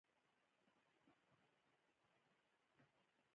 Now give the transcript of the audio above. باسواده نجونې د هنر په برخه کې وړتیا ښيي.